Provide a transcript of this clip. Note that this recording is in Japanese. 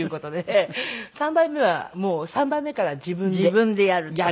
３杯目はもう３杯目から自分でやる。